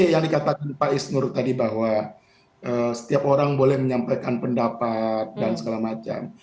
yang dikatakan pak isnur tadi bahwa setiap orang boleh menyampaikan pendapat dan segala macam